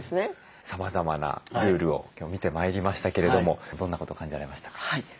さまざまなルールを今日見てまいりましたけれどもどんなことを感じられましたか？